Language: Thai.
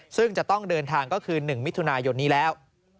ซึ่งจะต้องเดินทางก็คือ๑มิถุนายนนี้แล้ว